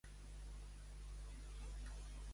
Qui fa de Joey?